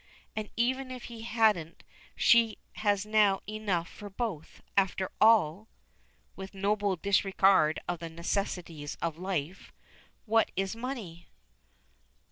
And even if he hadn't she has now enough for both. After all" with noble disregard of the necessaries of life "what is money?"